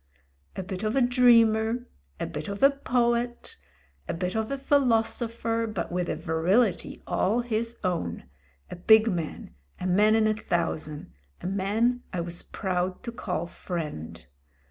A bit of a dreamer, a bit of a poet, a bit of a philoso pher, but with a virility all his own ; a big man — ^a man in a thousand, a man I was proud to call Friend.